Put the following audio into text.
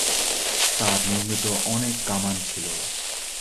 তার নির্মিত অনেক কামান ছিল।